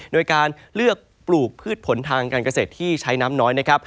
โดยการเลือกปลูกพืชผลทางการเกษตรที่ใช้น้ำน้อยนะครับ